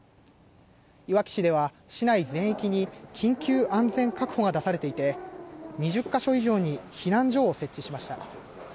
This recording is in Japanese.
いわき市では市内全域に緊急安全確保が出されていて２０か所以上に避難所を設置しました。